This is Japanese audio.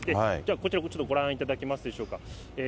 こちらちょっとご覧いただけますでしょうか。